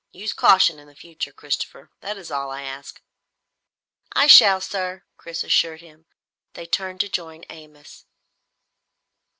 Use caution in the future, Christopher. That is all I ask." "I shall, sir!" Chris assured him. They turned to join Amos.